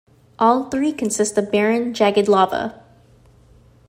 All three consist of barren, jagged lava.